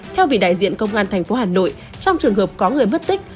theo vị đại diện công an tp hà nội trong trường hợp có người mất tích